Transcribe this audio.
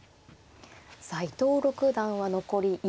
さあ伊藤六段は残り１分